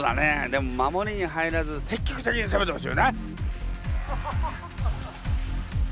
でも守りに入らず積極的にせめてほしいよね！